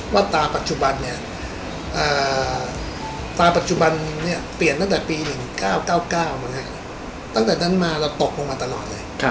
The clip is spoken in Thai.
มาตราปัจจุบันตาปัจจุบันเปลี่ยนตั้งแต่ปี๑๙๙๙ตั้งแต่นั้นมาเราตกลงมาตลอดเลย